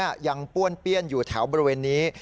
ยังป้วนเปี้ยนอยู่แถวบริเวณนี้